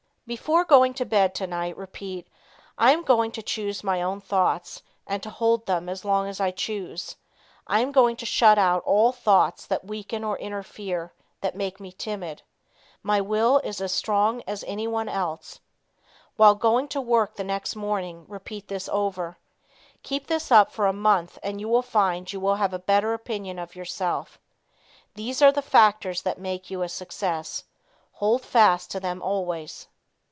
Before going to bed tonight, repeat, "I am going to choose my own thoughts, and to hold them as long as I choose. I am going to shut out all thoughts that weaken or interfere; that make me timid. My Will is as strong as anyone's else. While going to work the next morning, repeat this over. Keep this up for a month and you will find you will have a better opinion of yourself. These are the factors that make you a success. Hold fast to them always.